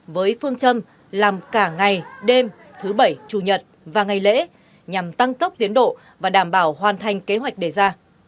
với phương châm làm cả ngày đêm thứ bảy chủ nhật và ngày lễ nhằm tăng tốc tiến độ và đảm bảo hoàn thành kế hoạch đề ra